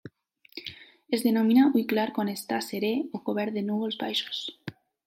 Es denomina ull clar quan està serè o cobert de núvols baixos.